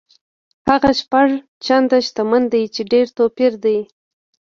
هغه شپږ چنده شتمن دی چې ډېر توپیر دی.